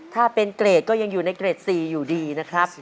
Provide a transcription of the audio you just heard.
ถ้าเป็นเกรดก็ยังอยู่ในเกรด๔อยู่ดีนะครับ